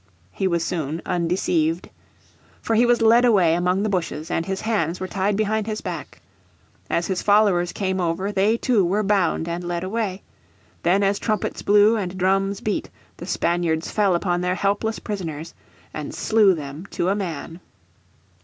He was soon undeceived. For he was led away among the bushes, and his hands were tied behind his back. As his followers came over they, too, were bound and led away. Then as trumpets blew and drums beat the Spaniards fell upon their helpless prisoners and slew them to a man.